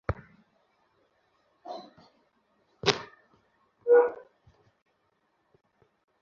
এবার পরীক্ষার হলে পরীক্ষার্থীদের হাতঘড়ি, পকেট ঘড়ি, ইলেকট্রনিক ঘড়ির ব্যবহার নিষিদ্ধ করা হয়েছে।